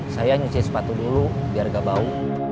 saya nyuci sepatu dulu biar gak bau